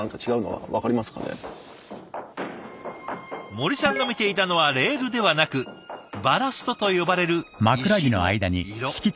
森さんが見ていたのはレールではなく「バラスト」と呼ばれる石の色。